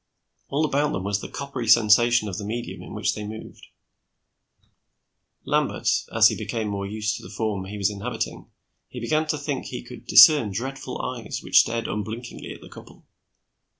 All about them was the coppery sensation of the medium in which they moved: Lambert as he became more used to the form he was inhabiting, he began to think he could discern dreadful eyes which stared unblinkingly at the couple.